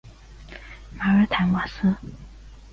马尔坦瓦斯。